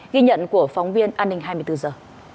ghi nhận của phóng viên an ninh hai mươi bốn giờ